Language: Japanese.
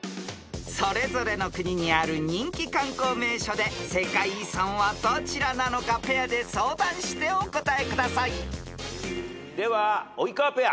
［それぞれの国にある人気観光名所で世界遺産はどちらなのかペアで相談してお答えください］では及川ペア。